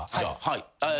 はい。